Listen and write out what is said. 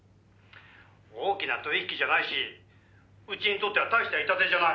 「大きな取り引きじゃないしうちにとっては大した痛手じゃない」